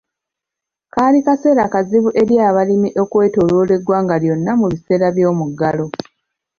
Kaali kaseera kazibu eri abalimi okwetooloora eggwanga lyonna mu biseera by'omuggalo.